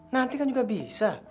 nanti kan juga bisa